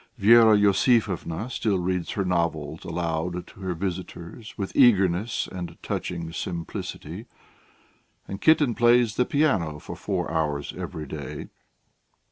Vera Iosifovna still reads her novels aloud to her visitors with eagerness and touching simplicity. And Kitten plays the piano for four hours every day.